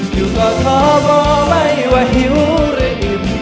คนต่อเจ้าว่าไม่ว่าหิวหรืออิ่ม